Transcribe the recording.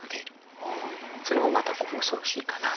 それもまたこう恐ろしいかなとね。